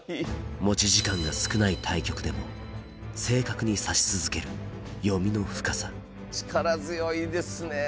持ち時間が少ない対局でも正確に指し続ける読みの深さ力強いですね。